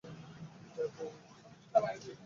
ঠিক আজই আমার এই বাসনার প্রয়োজন ছিল।